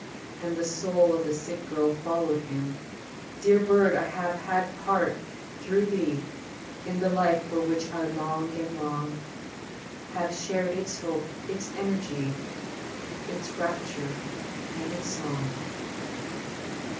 And the soul of the sick girl followed him — II INTERCHANGE " Dear bird ! I have had part, through thee, In the Hfe for which I long and long : Have shared its hope, its energy, Its rapture and its song